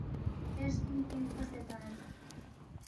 دے رزِنگ پِنگ فوسے تنگس